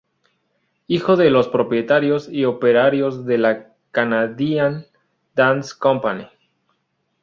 Hijo de los propietarios y operarios de la Canadian Dance Company.